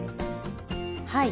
はい。